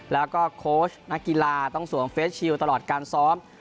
แล้วก็โค้ชนักกีฬาต้องสวมเฟสชิลตลอดการซ้อม